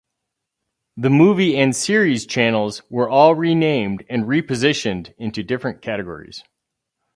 The movie and series channels were all renamed and repositioned into different categories.